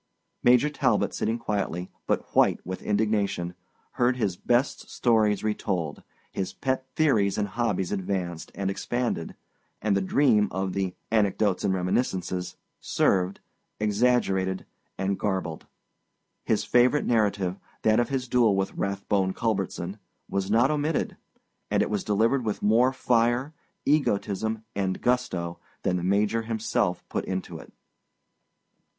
Major Talbot, sitting quietly, but white with indignation, heard his best stories retold, his pet theories and hobbies advanced and expanded, and the dream of the Anecdotes and Reminiscences served, exaggerated and garbled. His favorite narrative—that of his duel with Rathbone Culbertson—was not omitted, and it was delivered with more fire, egotism, and gusto than the Major himself put into it.